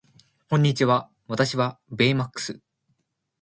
こんにちは私はベイマックス